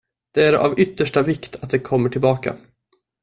Det är av yttersta vikt att det kommer tillbaka.